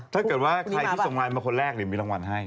ถ้าเจอว่าใครที่ส่งลายมาคนแรกมีรางวัลให้